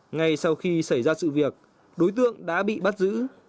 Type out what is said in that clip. ngay sau khi xảy ra sự việc đối tượng đã bị bắt giữ